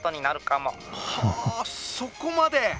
「はあそこまで！？